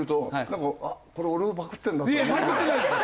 いやパクってないです！